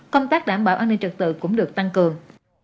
công tác đảm bảo an ninh trật tự cũng được tăng cường